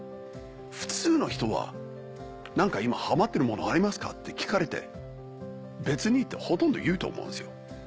普通の人は「何か今はまってるものありますか？」って聞かれて「別に」ってほとんど言うと思うんですよ。